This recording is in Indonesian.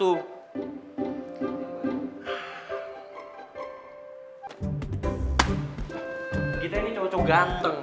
lalu gimana kita kita juga harus dijagain